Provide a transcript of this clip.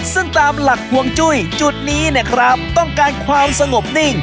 ซึ่งตามหลักห่วงจุ้ยจุดนี้เนี่ยครับต้องการความสงบนิ่ง